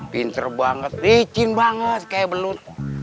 pinter banget licin banget kayak belut